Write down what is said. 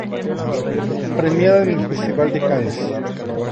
Premiada en el festival de Cannes.